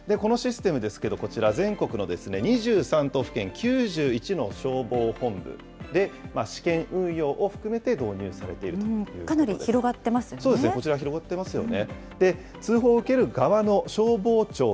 このシステムですけど、こちら、全国の２３都府県、９１の消防本部で、試験運用を含めて導入されかなり広がってますよね。